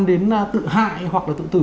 đến tự hại hoặc là tự tử